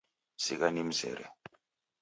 Sigha nimzere